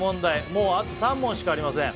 もうあと３問しかありません